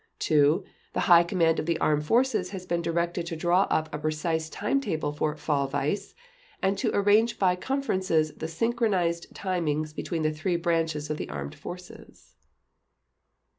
(2) The High Command of the Armed Forces has been directed to draw up a precise timetable for Fall Weiss and to arrange by conferences the synchronized timings between the three branches of the Armed Forces."